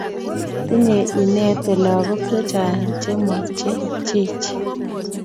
Tinye inete lagok che chang' che ma che chich